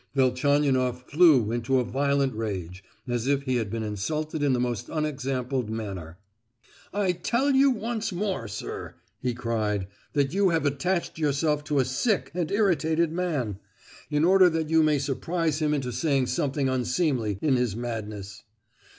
Velchaninoff flew into a violent rage, as if he had been insulted in the most unexampled manner. "I tell you once more, sir," he cried, "that you have attached yourself to a sick and irritated man, in order that you may surprise him into saying something unseemly in his madness!